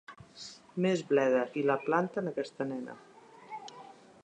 Més bleda i la planten, aquesta nena!